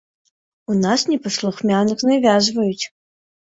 У нас непаслухмяных навязваюць!